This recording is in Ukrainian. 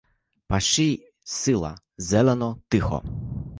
Паші сила, зелено, тихо.